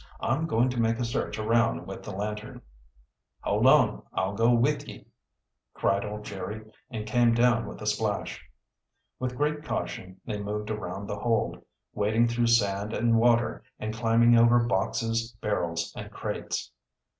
"I'm going to make a search around with the lantern." "Hold on, I'll go with ye," cried old Jerry, and came down with a splash. With great caution they moved around the hold, wading through sand and water, and climbing over boxes, barrels, and crates.